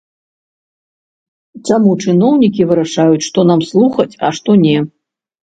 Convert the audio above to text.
Чаму чыноўнікі вырашаюць, што нам слухаць, а што не?